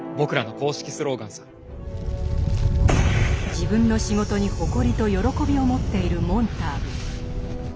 自分の仕事に誇りと喜びを持っているモンターグ。